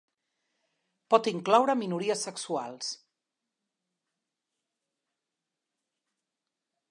Pot incloure minories sexuals.